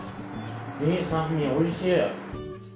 いい酸味おいしい。